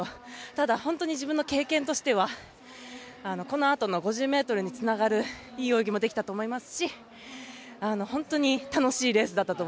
ただ、本当に自分の経験としてはこのあとの５０ｍにつながるいい泳ぎもできたと思いますし本当に楽しいレースでした。